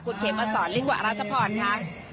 คุณเขมสอนลิ่งกว่าราชพรค่ะ